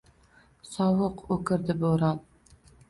Sovuq. O‘kirdi bo‘ron.